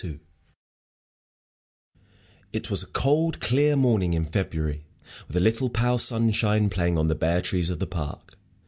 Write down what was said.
II It was a cold, clear morning in February, with a little pale sunshine playing on the bare trees of the Park.